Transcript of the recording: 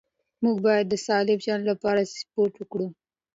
موږ باید د سالم ژوند لپاره سپورت وکړو